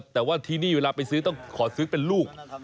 แต่ว่าที่นี่เวลาไปซื้อต้องขอซื้อเป็นลูก